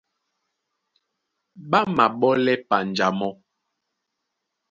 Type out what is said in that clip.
Ɓá máɓɔ́lɛ panja mɔ́.